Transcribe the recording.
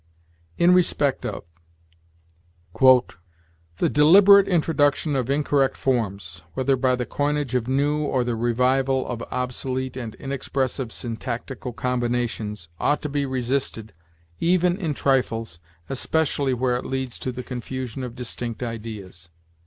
IN RESPECT OF. "The deliberate introduction of incorrect forms, whether by the coinage of new or the revival of obsolete and inexpressive syntactical combinations, ought to be resisted even in trifles, especially where it leads to the confusion of distinct ideas.